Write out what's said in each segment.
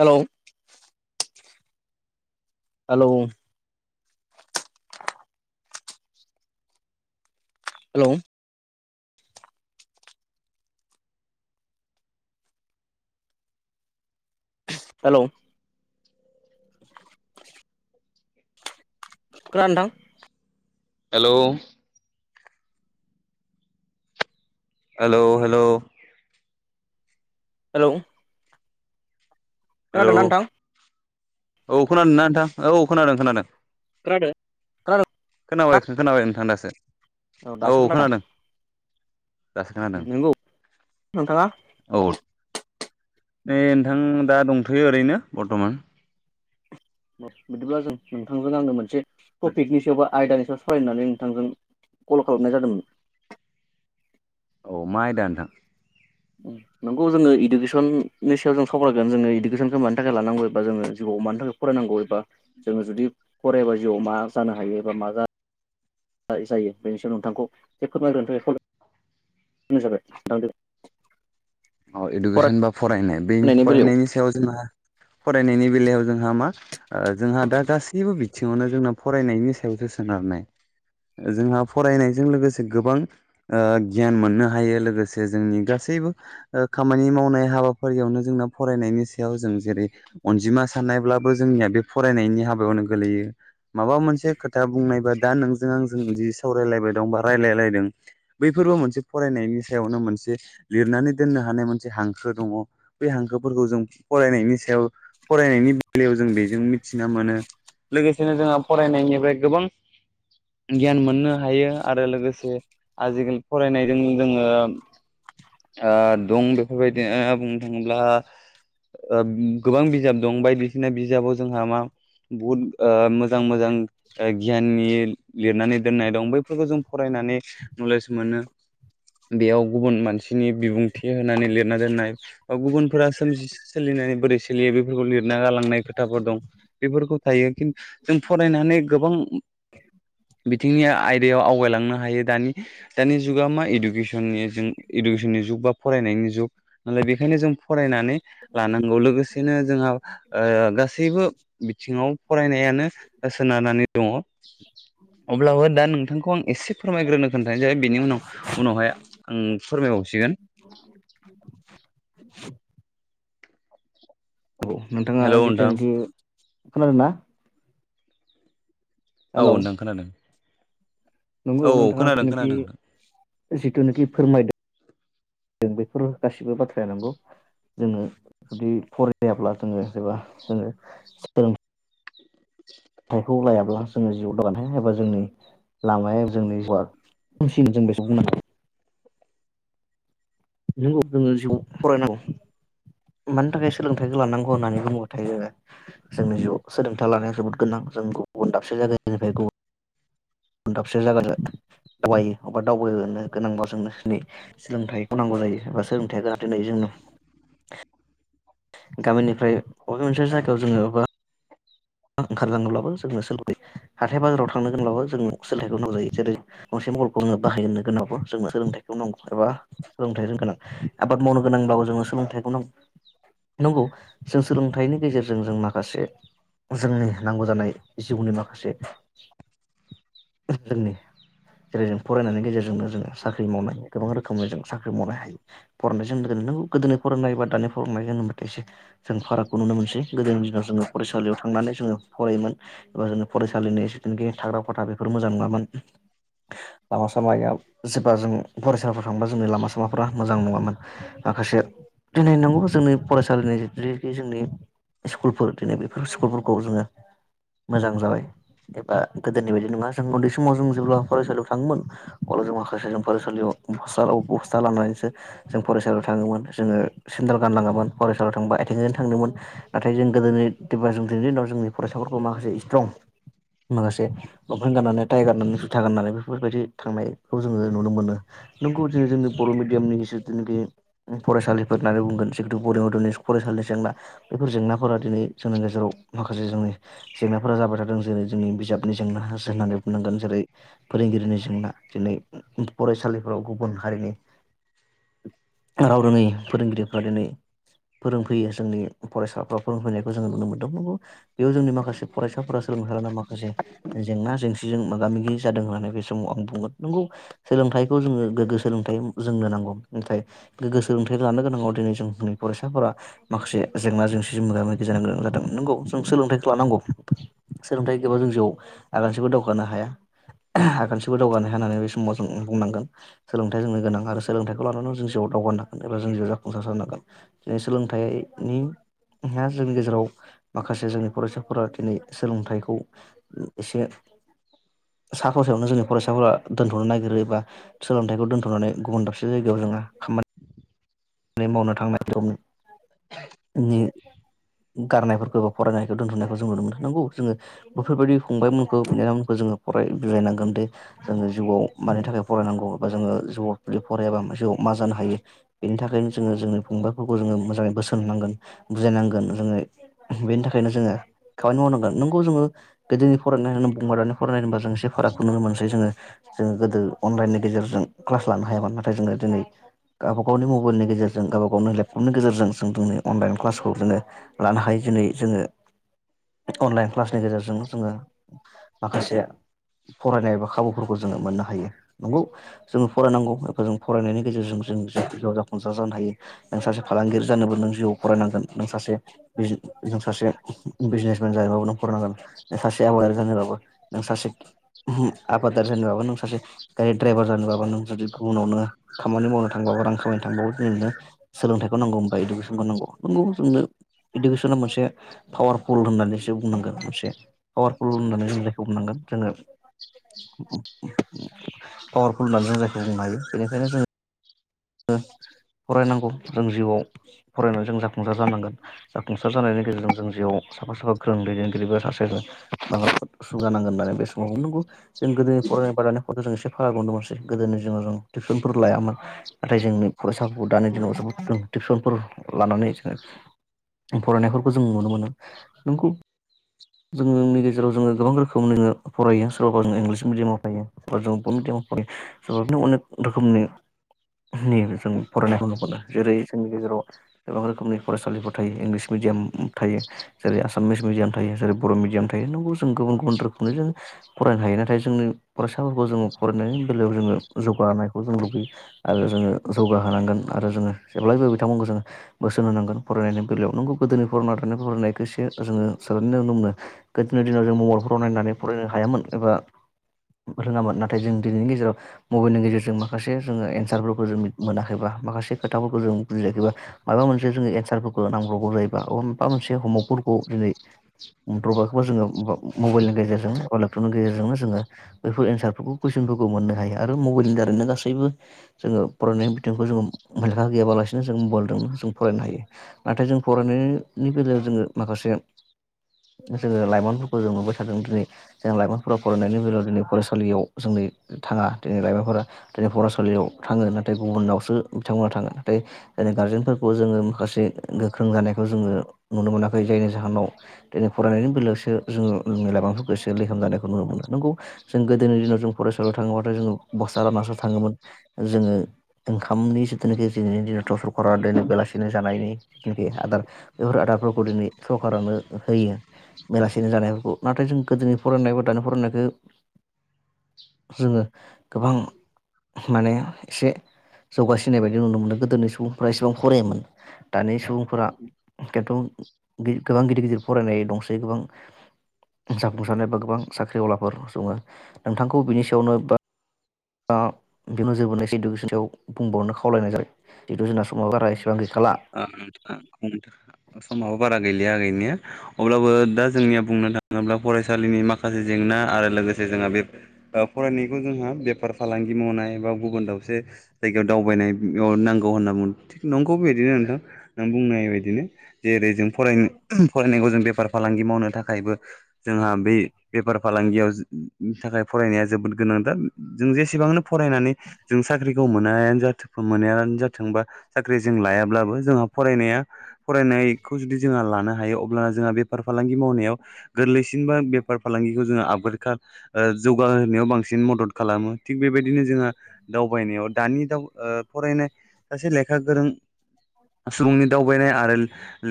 Hello hello hello hello [unintelligible] [unintelligible] hello hello hello hello hello खोनादोंना नोंथां? औ खोनादों ना नोंथां? औ औ खोनादों खोनादों। [unintelligible] खोनाबाय खोन- खोनाबाय नोंथां दासो। औ दासो खोनादों। दासो खोनादों नंगौ नोंथाङा [inaudible] औ। नै नोंथां दा दंथ'यो ओरैनो बरथमान। बिदिब्ला जों नोंथांजों आंनो मोनसे टपिकनि सायावबा आयदानि फरायनानै नोंथांजों कल खालामनाय जादोंमोन। औ मा आयदा नोंथां? नोंगौ जोङो इडुकेसननि सायाव जों सावरायगोन जोङो इडुकेसनखौ मानि थाखाय लानांगौ एबा जोङो जि मानि थाखाय फरायनांगौ एबा जोङो जुदि फरायबा जिउआव मा जानो हायो एबा मा जा जायो बेनि सायाव नोंथांखौ जे फोरमायग्रोनो थाखाय खावला [unintelligible] औ इडुकेसन बा फरायनाय बे फरायनायनि सायाव जोंहा फरायनायनि बेलायाव जोंहा मा जोंहा दा गासैबो बिथिङावनो जोंना फरायनायनि सायावसो सोनारनाय। जोंहा फरायनायजों लोगोसे गोबां गियान मोननो हायो लोगोसे जोंनि गा सैबो खामानि मावनाय हाबाफारियावनो जोंना फरायनायनि सायाव जों जेरै अनजिमा साननायब्लाबो जों निया फनायनि हाबायावनो गोलैयो माबा मोनसे खोथा बुंनायबा दा नों नों आजों बिदि सावरायलायबाय बा रायलायलायदों बैफोरबो मोनसे फरायनायनि सायावनो मोनसे लिरनानै दोननो हानाय मोनसे हांखो दङ, बेै हांखोफोरखौ जों फरायनायनि सायाव फरायनायनि बेलायाव जों बेजों मिथिना मोनो। लोगो सेनो जोंहा फरायनायनिफ्राय गोबां गियान मोननो हायो आरो लोगोसे आजिखालि फरायनायजों जोङो ओ दं बेफोरबायदिनो बुंनो थाङोब्ला गोबां बिजाब दं बाय बिसिना बिजाबाव जोंहा मा बहुद ओ मोजां मोजां गियाननि लिरनानै दोननाय दं बैफोरखौ जों फरायनाय नानै नलेस मोनो बेयाव गुबन मानसि नि बिबुंथि होनानै लिरना दोननाय बा गुबुनफोरा सोम- सोलिनानै बोरै सोलियो बेफोरखौ लिर गालांनाय खोथाफोर दं बेफोरखौ थायो जों फरायनानै गोबां बिथिंनि आयदायाव आवगायलांनो हायो दानि दानि जुगाव मा इडुकेसननि जों इडुकेसननि जुग बा फरायनायनि जुग नालाय बेखायनो जों फरायनानै लानांगौ लोगोसेनो जोंहा ओ गासैबो बिथिङाव फरायनायानो सोनारनानै दङ। अब्लाबो दा नोंथांखौ आं एसे फोरमायग्रोनो खोन्थासै ज बेनि उनाव उनावहाय आं फोरमायबावसिगोन। [inaudible] औ नोंथाङा हेलौ नोंथां जितुनोखि खोनादों ना? औ नोंथां खोनादों। नंगौ औ औ नोंथाङा खोनादों जितुनोखि खोनादों जितुनोखि फोरमायदों जों बेफोर गासिबो बाथ्राया नोंगौ। जोङो जुदि फरायाब्ला जोङो जेबा जोङो सोलों [unintelligible] लायाब्ला जोङो जिउआव दावगानो हाया एबा जोंनि लामाया जोंनि [unintelligible] जों बेखौ बुंनो [unintelligible] नोंगौ जोङो जिउआव फरायनांगौ। मानि थाखाय सोलोंथाइखौ लानांगौ होननानै बुङोबाथायो जोङो जोंनि जिउआव सोलोंथाइ लानाया जोबोद गोनां। जों गुबुन दाबसे जायगानिफ्राय गुबुन दाबसे जायगा दावायो एबा दावबायनो गोनांबा जों दि सोलोंथाइ नांगौ जायो एबा सोलोंथाया जाहाथे नै जोंनो गामिनिफ्राय बबेबा मोनसे जायगायाव जोङो बबेबा ओंखारलाङोब्लाबो जोंनो सोलोंथाइ हाथाय- बाजाराव थांनो गोनांब्लाबो जों सोलोंथाइखौ नांगौ जायो जेरै गंसे [unintelligible] बाहायनो गोनांब्ला जोंनो सोलोंथाइखौ नांगौ एबा सोलोंथाइनि गोनां। आबाद मावनो गोनांब्लाबो जों जों सोलोंथाइखौ नांगौ। नंगौ जों सोलोंथाइनि गेजेरजों जों माखासे जोंनि नांगौ जानाय जिउनि माखासे जोंनि जेरै जों फरायनायनि गेजेरजोंनो जोङो साख्रि मावनाय गोबां रोखोमै जों साख्रि मावनो हायो। फरायनायजों लोगो गोदोनि फरायनाय बा दानि फरायनाय जों एसे जों फारागखौ नुनो मोनसै। गोदोनि दिनाव जों फरायसा फरायसालियाव थांनानै जोङो फरायोमोन एबा जोङो फरायसालिनि जितुनोखि थाग्रा खथा बेफोर मोजां नङामोन। लामा -सामाया जेब्ला जों फरायसालिफोराव थांबा जोंनि लामा- सामाफ्रा मोजां नङामोन। माखासे दिनै नोंगौ जोंनि फरायसालिनि जिखि जोंनि स्कुलफोर दिनै बे बे स्कुलफोरखौ जोङो मोजां जाबाय। एबा गोदोनि बायदि नङा जों उन्दै समाव जों जेब्ला फरायसालियाव थाङोमोन अब्ला जों माखासे जों फरायसालियाव बस्था -बस्था लानानैसो जों फरायसालियाव थाङोमोन। जोङो सेन्देल गानलाङोमोन फरायसालियाव थांबा। आइथेंजों थांदोंमोन नाथाय जों दोनैनि देबा जों दिनैनि दिनाव जोंनि फरायसाफोरखौ माखासे स्ट्रं माखासे लंफेन गाननानै टाइ गाननानै जुथा गाननानै बेफोरबायदि थांनायखौ जोङो नुनो मोनो। नोंगौ दिनै जोंनि बर' मिडियामनि जितुनोखि फरायसालिफोर होननानै बुंगोन जिहेथु बर' मिडियामनि फराय सालि जेंना बेफोर जेंनाफोरा दिनै जोंनि गेजेराव माखासे जोंनि जेंनाफोरा जाबाय थादों जेरै जोंनि बिजाबनि जेंना होननानै बुंनांगोन। जेरै फोरोंगिरिनि जेंना दिनै फरायसालिफोराव गुबुन हारिनि राव रोङै फोरोंगिरिफ्रा दिनै फोरोंफैयो। जोंनि फरायसाफ्रा फोर जों नुनो मोनदों। बेयाव जोंनि माखासे फरायसाफोरा सोलों हाना माखासे जेंना जें जों मोगा -मोगि जादों होननानै बे समाव आं बुंगोन। नोंगौ सोलोंथाइखौ जोङो गोगो सोलोंथाइ जोंनो नांगौ। नाथाय गोगो सोलोंथाइ लानो गोनाङाव दिनै जोंनि फरायसाफोरा माखासे जेंना -जेंसिजों मोगा -मोगि जानो गोनां जादों। नंगौ जों सोलोंथाइखौ लानांगौ। सोलोंथाइ गोयाबा जों जिउआव आगानसेबो दावगानो हाया। आगानसेबो दावगानो हाया होननानै बे समाव जों बुंनांगोन। सोलोंथाइ जोंनो गोनां आरो सोलोंथाइखौ लानानै जों जिउआव दावगानो हागोन एबा जोंनि [unintelligible] जासारनागोन। जे सोलोंथाइनि जोंनि गेजेराव माखासे जोंनि फरायसाफोरा दिनै सोलोंथाइखौ एसे सा -ससेयावनो जोंनि फरायसाफोरा दोनथ'नो नागिरो एबा सोलोंथाइखौ दोन्थ'नानै गुबुन दाबसे जायगायाव जोंहा खामानि मावनो थांनाय [unintelligible] नि गारनायफोरखौ बा फरायनायखौ दोन्थ'नायखौ जों नुनो मोनो। नोंगौ जोङो बेफोरबायदि फंबायमोनखौ बिनानावमोनखौ जोङो फराय बिलायनांगोन दि जोङो जिउआव मानि थाखाय फरायनांगौ बा जोङो जिउआव जुदि फरायाबा जिउआव मा जानो हायो बेनि थाखाय [unintelligible] जोङो जोंनि फंबायफोरखौ जोङो मोजाङै बोसोन होनांगोन बुजायनांगोन जोङो बेनि थाखायनो जोङो खामानि मावनांगोन। नोंगौ जोङो गोदोनि फरायनाय होननानै बुंबा दानि फरायनाय होनोबा जों एसे फारागखौ नुनो मोनसै जोङो। जोङो गोदो अनलाइननि गेजेरजों क्लास लानो हायामोन नाथाय जोङो दिनै गावबा -गावनि मबाइलनि गेजेरजों गावबा गावनि लेपटपनि गेजेरजों जों दिनै अनलाइन क्लासखौ जोङो लानो हायो दिनै जोङो अनलाइन क्लासनि गेजेरजों जोङो माखासे फरायनाय एबा खाबुफोरखौ जोङो मोननो हायो। नंगौ जोङो फरायनांगौ जों फरायनायनि गेजेरजों जों [unintelligible] जानो हायो नों सासे फालांगिरि जानोबो नों जिउआव फरायनांगोन नों सासे नों सासे बिजनेसमेन जायोबाबो नों फरायनांगोन सासे आबादारि जानोबाबो नों सासे आबादारि जानोबाबा नों सासे गारि द्रायभार जानोबाबा नों जुदि गुबुनावनो खामानि मावनो था थांबाबो रां खामायानि थांबाबो जोंनो सोलोंथाइखौ नांगौ होनबा इडुकेसनखौ नांगौ बिदिनो जोंनो इडुकेसना मोनसे पावारफुल होननानैसो बुंनांगोन मोनसे पावारफुल होननानै जों जायखौ बुंनांगोन। जोङो पावारफुल होननानै जों जायखौ बुंनो हायो बेनिखायनो जों [inaudible] फरायनांगौ जों जिउआव फरायनानै जों जाफुंसार जानांगोन जाफुंसार जानायनि गेजेरजों जों जिउआव साफा साफा ग्रों दैदेनगिरिबो सासे माब नांगोन होननानै बे समाव नोंगौ जों गोदो फरायनाय बादायनाय जों एसे फाराग नुनोमोनसै गोदोनि दिनाव जों टिउसनफोर लायामोन। नाथाय जोंनि फरायसाफोरखौ दानि दिनावसों टिउसनफोर लानानै जोङो फरायनायफोरखौ जों नुनो मोनो नोंगौ जोंनि गेजेराव जोङो गोबां रोखोमनिनो फरायो सोरबा जों इंलिस मिडियामाव फरायो जों नो अनेक रोखोमनि जों फरायनायखौ नु मोनो जेरै जोंनि गेजेराव गोबां रोखोमनि फरायसालिफोर थायो इंलिस मिडियाम थायो जेरै आसामिस मिडियाम थायो जेरै बर' मिडियाम थायो नोंगौ जों गुबुन गुबुन रोखोमनो जों फरायनो हायो नाथाय जोंनि फरायसाफोरखौ जोङो फरायनायनि बेलायाव जोङो जौगानायखौ जों लुबैयो। आरो जोङो जौगाहोनांगोन आरो जोङो जेब्लायबो बिथांमोनखौ जोङो बोसोन होनांगोन फरायनायनि बेलायाव नोंगौ गोदो [unintelligible] नो गोदोनि दिनाव जों मबाइलफोराव नायनानै फरायनो हायामोन एबा रोङामोन नाथाय जों दिनैनि गेजेराव मबाइलनि गेजेरजों माखासे जोङो सारफोरखौ जों मोनाखैबा माखासे खोथाफोरखौ जों बुजियाखैबा माबा मोनसे जोङो एन्सारफोरखौ नांब्रबगौ जायोबा बा माबा मोनसे हम अवादफोरखौ दिनै दबाखौबा जोङो मबाइलनि गेजेरजों बा लेपटपनि गेजेरजोंनो जोङो बैफोर एन्सारफोरखौ कुइसन फोरखौ मोननो हायो आरो मबाइलनि दारैनो गासैबो जोङो फरायनायनि बिथिंखौ जोङो मेलेखा गैयाबालासिनो जों मबाइलजों जों फरायनो हायो नाथाय जों फरायनाय नि बेलायाव जोङो माखासे जोङो लाइमोनफोरखौ जों नुबाय थादों दिनै जों लाइमोनफोराव फरायनायनि बेलायाव दिनै फरायसालियाव जों थाङा दिनै लाइमोनफोरा दिनै फरायसालियाव थाङो नाथाय गुबुनावसो बिथांमोना थाङो नाथाय जों गारजेनफोर खौ जोङो माखासे गोख्रों जानायखौ जोङो नुनो मोनाखै जायनि जाहोनाव दिनै फरायनायनि [unintelligible] नोंगौ जों गोदोनि दिनाव जों फरायसालियाव थाङोबाथाय जोङो [unintelligible] थाङोमोन। जोङो ओंखामनि जिथुनाखि दिनैनि दिनावथ' सरकारा दोनो बेलासिनो जानायनि जिथुनाखि आदार बेफोर आदारफोरखौ दिनै सरखारानो होयो बेलासिनो जानायफोरखौ नाथाय जों गोदोनि फरायनाय दानि फरायनायखौ जोङो गोबां माने एसे जौगासिनाय बायदि नुनो मोनो गोदोनि सुबुंफ्रा एसेबां फरायामोन दानि सुबुंफोरा खेन्थु गोबां गिदिर गिदिर फरायनाय दंसै गोबां। जाफुंसारनायबा गोबां साख्रिआवलाफोर सङो नोंथांखौ बिनि सायावनो बा बे एदुकेसन आव बुंबावनो खावलायनाय जाबाय जिथु जोंना समाव बारा एसेबां गैखाला समाबो बारा गैलिया गै या अब्लाबो दा जोंनिया बुंनो थाङोब्ला फरायसालिनि माखासे जेंना आरो लोगोसे जोंहा बे फरायनायखौ जोंहा बेफार फालांगि मावनाय बा गुबुन दाबसे जायगायाव दाव बायनायाव नांगौ होनना बुं नोंगौ बेदिनो नोंथां नों बुंनाय बायदिनो जेरै जोंनो फरायनायखौ जों बेफार फालांगि मावनो थाखायबो जोंहा बे बेफार फालांगियाव थाखाय फरायनाया जोबोद गोनांथार। जों जेसेबांनो फरायनानै जों साख्रिखौ मोनानो जाथों मोनानो जाथोंबा साख्रि जों लायाब्लाबो जोंहा फरायनाया फरायनायखौ जुदि जोंहा लानो हायोअब्लाना जोंहा बेफार फालां फालांगि मावनायाव बांसिनबा बेफार फालांगिखौ जोङो आबग जौगाहोनायाव बांसिन मदद खालामो थिग बेबायदिनो जों। जोंहा दावबायनायाव दानि दा फरायनाय सासे लेखा गोरों सुबुंनि दावबायनाय आरो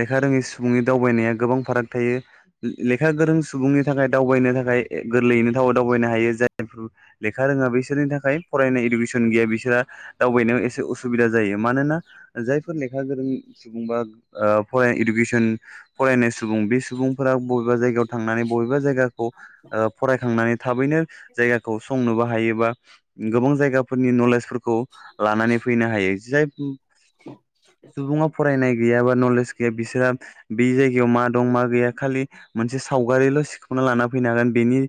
लेखा रोङै सुबुंनि दावबायनाया गोबां फाराग थायो। लेखा गोरों सुबुंनि थाखाय दावबायनो थाखाय गोरलैयैनो थाव दावबायनो हायो जायफोरेखा लेखा रोङा बिसोरनि थाखाय फरायनाय इडुकेसन गैया बिसोरा दावबायनायाव एसे उसुबिदा जायो। मानोना जायफोर लेखा गोरों सुबुंबा फराय इडुकेसन फरायनाय सुबुं बे सुबुंफोरा बबेबा जायगायाव थांनानै बबेबा जायगाखौ फरायखांनानै थाबैनो जायगाखौ संनोबो हायोबा गोबां जायगाफोरनि नलेजफोरखौ लानानै फैनो हायो जाय सुबुङा फरायनाय गैया बा नलेज गैया बिसोरहा बे जायगायाव मा दं मा गैया खालि मोनसे सावगारिल' सिखांना लाना फैनो हागोन बेनि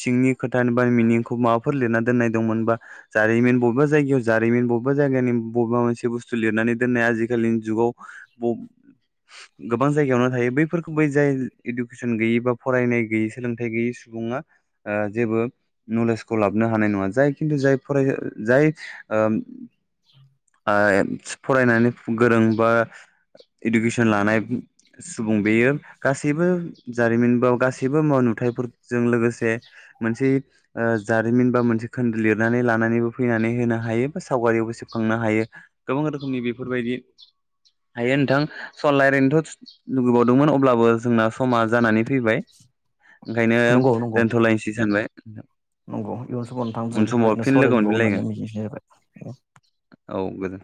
सिंनि खोथा बा मिनिंखौ माबा फोर लिरना दोन्नाय दंमोनबा जारिमिन बबेबा जायगायाव जारिमिन बबेबा जायगानि बबेबा मोनसे बुस्थु लिरनानै दोननाया आजिखालिनि जुगाव गोबां जायगायावनो थायो बैफोर बै जाय इडुकेसन गैयै बा फरायनाय गैयै सोलोंथाइ गैयै सुबुङा ओ जेबो नलेजखौ लाबोन हानाय नङा जाय जाय फराय जाय ओ फरायनानै गोरों बा। इडुकेसन लानाय सुबुं बेयो गासैबो जारिमिन बाव गासैबो माव नुथाय फोर जों लोगोसे मोनसे जारिमिन बा मोनसे खोन्दो लिरनानै लानानैबो फैनानै होनो हायो बा सावगारियावबो सेबखांनो हायो गोबां रोखोमनि बेफोरबायदि हायो नोंथां सलायरनोथ' लुुबैबावदोंमोन अब्लाबो जोंना समा जानानै फैबाय। ओंखायनो नंगौ नंगौ दोनथ'लायसै सानबाय। नंगौ इयुन समाव नोंथां उन जों समाव बेफोरबायदिनो फिन लोगो सावराय मोनबावो मोनफिनलायगोन होननानै मिजिंथिनाय जाबाय। औ गोजोन